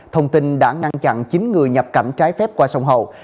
thông tin đã ngăn chặn chín người nhập cảnh trái phép qua sông hậu